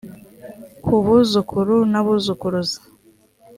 ku buzukuru n abuzukuruza